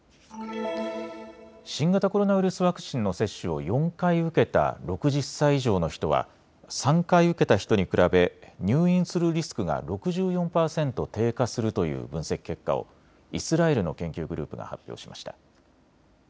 新型コロナウイルスワクチンの接種を４回受けた６０歳以上の人は３回受けた人に比べ入院するリスクが６４％低下するという分析結果をイスラエルの研究グループが発表しました。